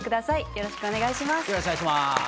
よろしくお願いします。